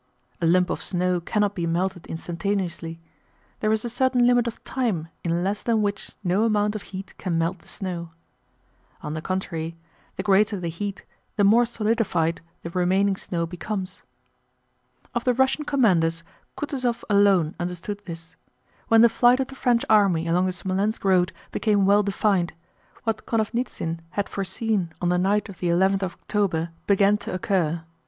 A lump of snow cannot be melted instantaneously. There is a certain limit of time in less than which no amount of heat can melt the snow. On the contrary the greater the heat the more solidified the remaining snow becomes. Of the Russian commanders Kutúzov alone understood this. When the flight of the French army along the Smolénsk road became well defined, what Konovnítsyn had foreseen on the night of the eleventh of October began to occur.